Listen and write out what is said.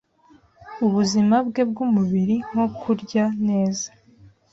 ubuzima bwe bw’umubiri nko kurya neza